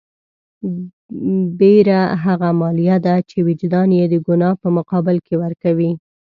بېره هغه مالیه ده چې وجدان یې د ګناه په مقابل کې ورکوي.